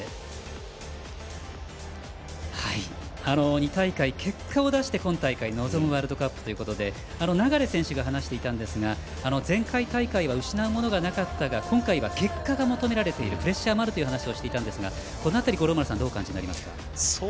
２大会、結果を出して今大会、臨むワールドカップということで流選手が話していたんですが前回大会は失うものがなかったが今回は結果が求められているプレッシャーがあるという話もしていたんですがこの辺り、五郎丸さんどうお感じになりますか？